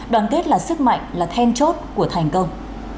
đoàn kết là sức mạnh là then chốt của thành công